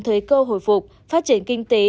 thời cơ hồi phục phát triển kinh tế